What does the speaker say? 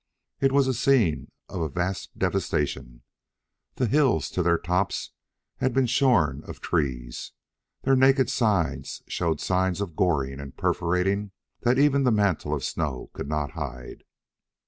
It was a scene of a vast devastation. The hills, to their tops, had been shorn of trees, and their naked sides showed signs of goring and perforating that even the mantle of snow could not hide.